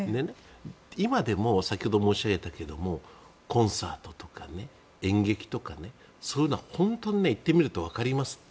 今でも、先ほど申し上げたけれどコンサートとか演劇とかそういうことは行ってみるとわかりますって。